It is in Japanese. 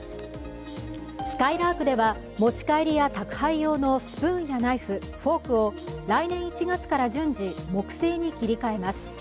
すかいらーくでは持ち帰りや宅配用のスプーンやナイフフォークを来年１月から順次木製に切り替えます。